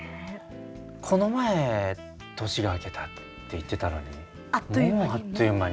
この前年が明けたって言ってたのにもうあっという間にって。